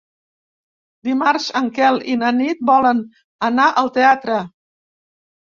Dimarts en Quel i na Nit volen anar al teatre.